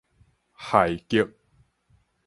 亥革